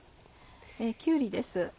きゅうりです。